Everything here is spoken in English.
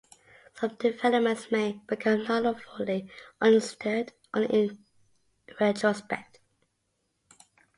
Some developments may become known or fully understood only in retrospect.